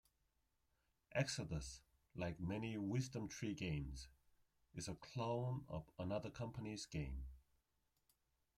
"Exodus", like many Wisdom Tree games, is a clone of another company's game.